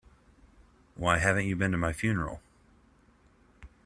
Why haven't you been to my funeral?